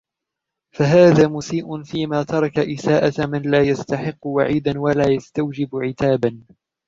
فَهَذَا مُسِيءٌ فِيمَا تَرَكَ إسَاءَةَ مَنْ لَا يَسْتَحِقُّ وَعِيدًا وَلَا يَسْتَوْجِبُ عِتَابًا